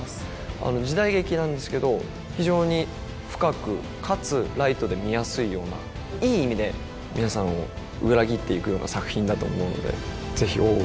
あの時代劇なんですけど非常に深くかつライトで見やすいようないい意味で皆さんを裏切っていくような作品だと思うのでぜひ「大奥」